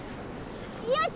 よし！